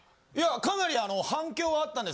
かなり反響はあったんです。